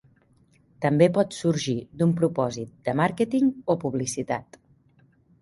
També pot sorgir d'un propòsit de màrqueting o publicitat.